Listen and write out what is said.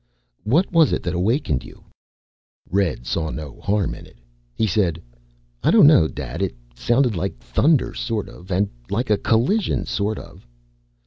"What was it that awakened you?" Red saw no harm in it. He said, "I don't know, Dad. It sounded like thunder, sort of, and like a collision, sort of."